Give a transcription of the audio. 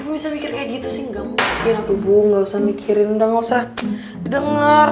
gak usah mikir kayak gitu sih gak mungkin aku bu gak usah mikirin gak usah denger